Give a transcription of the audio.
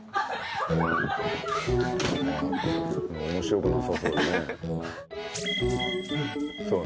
面白くなさそうだね。